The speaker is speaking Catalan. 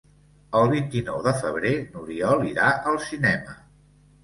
El vint-i-nou de febrer n'Oriol irà al cinema.